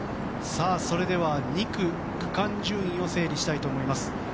それでは２区区間順位を整理したいと思います。